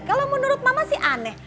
kalau menurut mama sih aneh